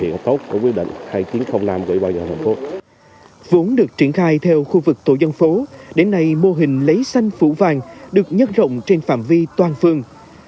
mô hình này vừa được triển khai theo khu vực tổ dân phố đến nay mô hình lấy xanh phủ vàng được nhất rộng trên phạm vi toàn phương